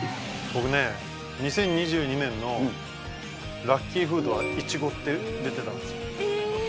僕ね、２０２２年のラッキーフードはイチゴって出てたんですよ。